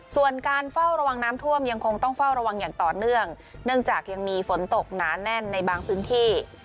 ส่วนการเฝ้าระวังน้ำท่วมยังคงต้องเฝ้าระวังอย่างต่อเนื่องเนื่องจากยังมีฝนตกหนาแน่นในบางพื้นที่